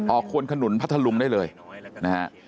ควนขนุนพัทธลุงได้เลยนะฮะ